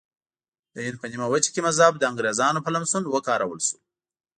د هند په نیمه وچه کې مذهب د انګریزانو په لمسون وکارول شو.